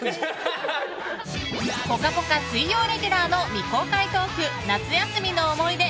「ぽかぽか」水曜レギュラーの未公開トーク「夏休みの思い出」